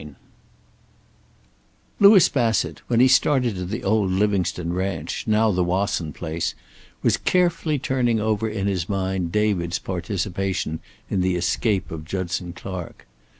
XIX Louis Bassett, when he started to the old Livingstone ranch, now the Wasson place, was carefully turning over in his mind David's participation in the escape of Judson Clark.